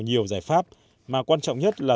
nhiều giải pháp mà quan trọng nhất là